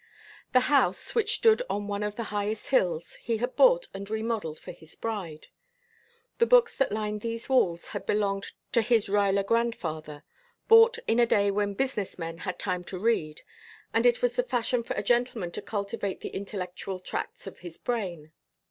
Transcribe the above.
The house, which stood on one of the highest hills, he had bought and remodeled for his bride. The books that lined these walls had belonged to his Ruyler grandfather, bought in a day when business men had time to read and it was the fashion for a gentleman to cultivate the intellectual tracts of his brain.